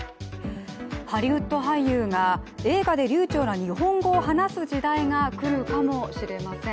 ハリウッド俳優が映画で流ちょうな日本語を話す時代が来るかもしれません。